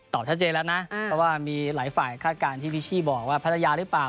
ชัดเจนแล้วนะเพราะว่ามีหลายฝ่ายคาดการณ์ที่พี่ชี่บอกว่าภรรยาหรือเปล่า